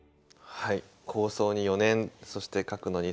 はい。